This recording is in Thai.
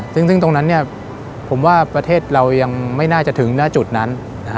ซึ่งตรงนั้นผมว่าประเทศเรายังไม่น่าจะถึงหน้าจุดนั้น